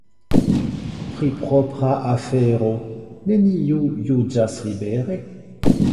Pri propra afero neniu juĝas libere.